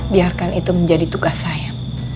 biarkan itu menjadi tugas saya